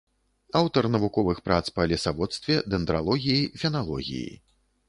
Аўтар навуковых прац па лесаводстве, дэндралогіі, феналогіі.